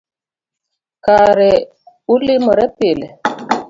Kare ulimoru pile